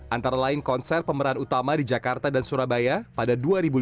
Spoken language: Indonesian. antara lain konser pemeran utama di jakarta dan surabaya pada dua ribu lima belas